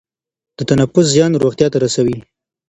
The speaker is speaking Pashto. د تنفس زیان روغتیا ته رسوي.